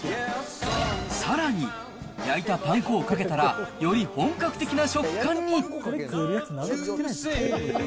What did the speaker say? さらに、焼いたパン粉をかけたらより本格的な食感に。